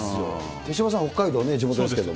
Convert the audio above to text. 手嶋さん、北海道ね、地元ですけど。